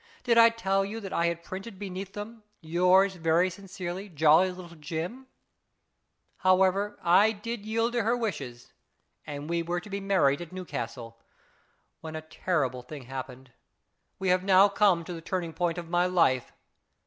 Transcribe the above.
Did I tell you that I had printed beneath them, 4 Yours very sincerely, Jolly Little Jim '? However, I did yield to her wishes, and we were to be married at Newcastle, fS IT A MAN? 267 when a terrible thing happened. We have now come to the turning point of my life.